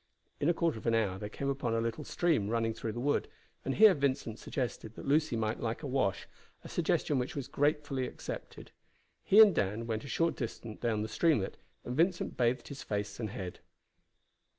In a quarter of an hour they came upon a little stream running through the wood, and here Vincent suggested that Lucy might like a wash, a suggestion which was gratefully accepted. He and Dan went a short distance down the streamlet, and Vincent bathed his face and head.